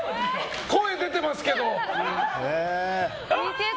声出てますけど。